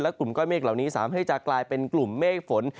กลุ่มก้อนเมฆเหล่านี้สามารถที่จะกลายเป็นกลุ่มเมฆฝน